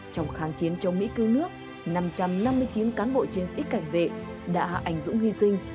trong kháng chiến trong mỹ cư nước năm trăm năm mươi chín cán bộ chiến sĩ cảnh vệ đã hạ ảnh dũng hy sinh